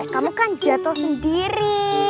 kamu kan jatuh sendiri